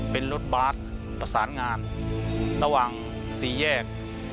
เป็นรถบาสประสานงานระหว่างสี่แยก